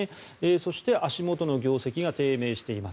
そして足元の業績が低迷しています